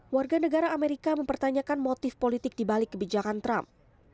warga negara amerika mempertanyakan motif politik dibalik kebijakan trump